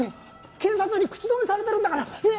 警察に口止めされてるんだから！ねぇ？